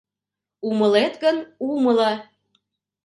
Умылет гын, умыло.